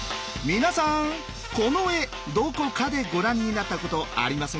皆さんこの絵どこかでご覧になったことありませんか？